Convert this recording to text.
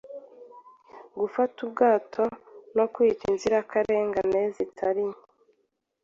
gufata ubwato no kwica inzirakarengane zitari nke.